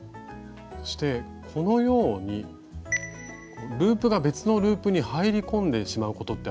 そしてこのようにループが別のループに入り込んでしまうことってありますよね。